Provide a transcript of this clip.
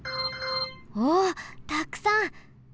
おったくさん。